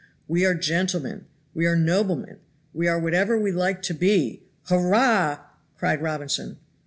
We are gentlemen we are noblemen we are whatever we like to be. Hurrah!" cried Robinson.